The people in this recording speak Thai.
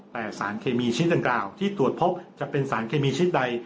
แต่สารเคมีชิ้นดังกล่าวที่ตรวจพบจะเป็นสารเคมีชิ้นใด